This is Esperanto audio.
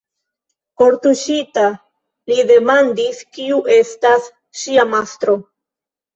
Kortuŝita, li demandis, kiu estas ŝia mastro.